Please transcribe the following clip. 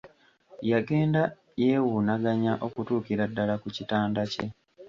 Yagenda yewuunaganaya okutuukira ddala ku kitanda kye.